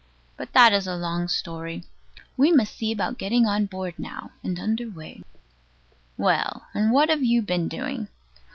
But that is a long story. We must see about getting on board now, and under way. Well, and what have you been doing?